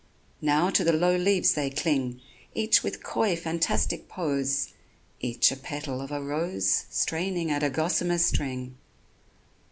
Now to the low leaves they cling, Each with coy fantastic pose, Each a petal of a rose Straining at a gossamer string.